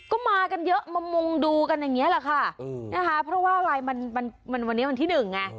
ก็มากันเยอะมามุงดูกันอย่างนี้แหละค่ะนะคะเพราะว่าอะไรมันมันวันนี้วันที่หนึ่งไง